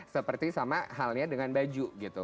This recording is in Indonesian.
seperti sama halnya dengan baju gitu